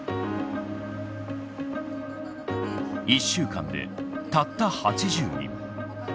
１週間でたった８０人。